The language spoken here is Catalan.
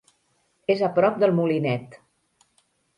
És a prop del Molinet.